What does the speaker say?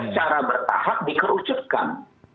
cara bertahap dikerucutkan